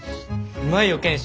うまいよ賢秀。